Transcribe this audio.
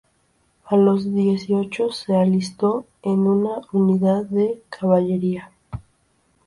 A los dieciocho se alistó en una unidad de caballería.